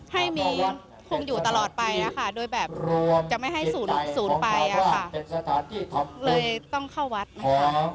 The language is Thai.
ให้มีคงอยู่ตลอดไปนะคะโดยแบบจะไม่ให้ศูนย์ไปอะค่ะเลยต้องเข้าวัดนะคะ